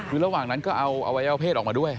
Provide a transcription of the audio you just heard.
คือระหว่างนั้นก็เอาอวัยวะเพศออกมาด้วย